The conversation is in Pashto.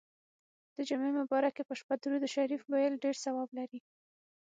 د جمعې مبارڪي په شپه درود شریف ویل ډیر ثواب لري.